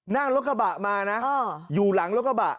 นั่งรถกระบะมานะอยู่หลังรถกระบะ